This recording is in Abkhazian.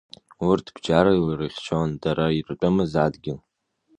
Урҭ бџьарла ирыхьчон дара иртәымыз адгьыл!